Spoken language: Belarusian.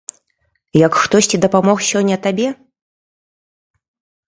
Як хтосьці дапамог сёння табе?